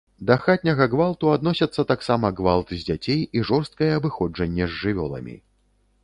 Да хатняга гвалту адносяцца таксама гвалт з дзяцей і жорсткае абыходжанне з жывёламі.